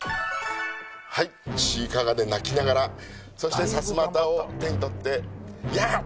はいちいかわがね泣きながらそしてさすまたを手に取ってヤァッ！